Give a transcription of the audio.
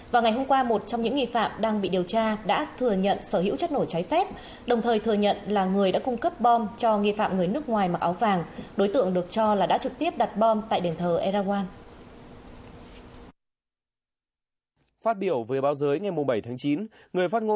và ngày hôm qua một trong những nghi phạm đang bị điều tra đã thừa nhận sở hữu chất nổ trái phép đồng thời thừa nhận là người đã cung cấp bom cho nghi phạm người nước ngoài mặc áo vàng đối tượng được cho là đã trực tiếp đặt bom tại đền thờ erragon